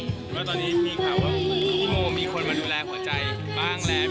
แล้วตอนนี้มีคำว่าที่โมมีคนมาดูแลหัวใจบ้างแล้ว